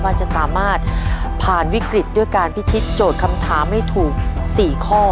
ว่าจะสามารถผ่านวิกฤตด้วยการพิชิตโจทย์คำถามให้ถูก๔ข้อ